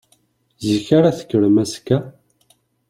Zik ara tekkrem azekka?